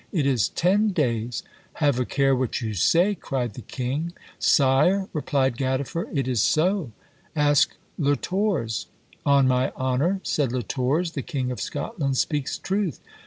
It is ten days! Have a care what you say, cried the king. Sire, replied Gadiffer, it is so; ask Le Tors. On my honour, said Le Tors, the king of Scotland speaks truth.